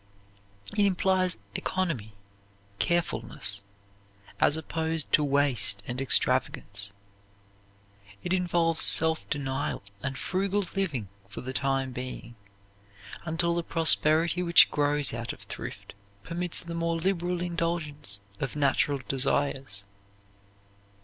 It implies economy, carefulness, as opposed to waste and extravagance. It involves self denial and frugal living for the time being, until the prosperity which grows out of thrift permits the more liberal indulgence of natural desires.